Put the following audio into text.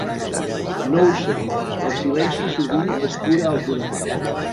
No ho sé, el silenci sovint és pura autodefensa.